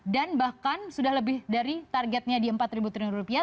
dan bahkan sudah lebih dari targetnya di empat ribu triliun rupiah